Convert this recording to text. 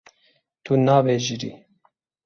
Tu nabijêrî.